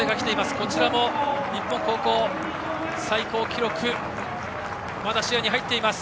こちらも日本高校最高記録がまだ視野に入っています。